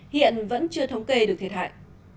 hiện vẫn chưa thống kê được thiệt hại